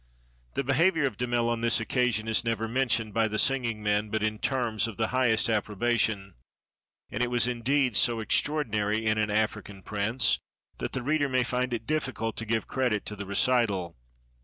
The behavior of Damel on this occasion is never mentioned by the singing men but in terms of the highest approba tion; and it was indeed so extraordinary in an African prince that the reader may find it difficult to give credit to the recital.